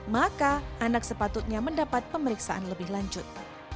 maka anak sepatutnya mendapat pemeriksaan lebih lanjut